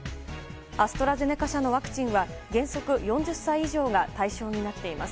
アストラゼネカ社のワクチンは原則４０歳以上が対象になっています。